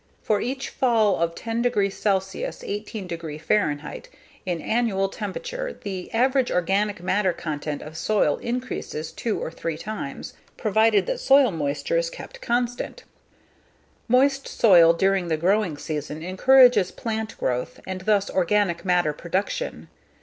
For each fall of 10 degree C (18 degree F) in annual temperature the average organic matter content of soil increases two or three times, provided that [soil moisture] is kept constant." Moist soil during the growing season encourages plant growth and thus organic matter production.